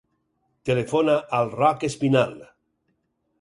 Telefona al Roc Espinal.